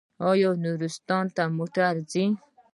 آیا نورستان ته موټر ځي؟